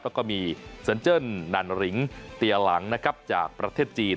แล้วก็มีเซินเจิ้นนันริงเตียหลังนะครับจากประเทศจีน